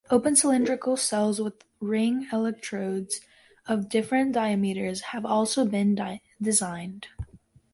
Open cylindrical cells with ring electrodes of different diameters have also been designed.